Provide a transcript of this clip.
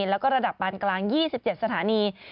แล้วก็ระดับปานกลาง๒๗สถานี